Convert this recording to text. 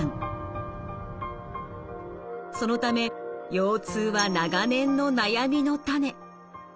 そのため腰痛は長年の悩みの種。